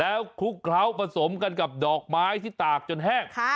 แล้วคลุกเคล้าผสมกันกับดอกไม้ที่ตากจนแห้ง